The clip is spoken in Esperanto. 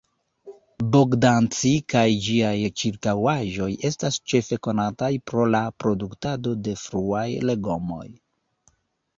Bogdanci kaj ĝiaj ĉirkaŭaĵoj estas ĉefe konataj pro la produktado de fruaj legomoj.